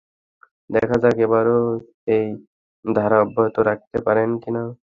দেখা যাক, এবারও এই ধারা অব্যাহত রাখতে পারেন কি না।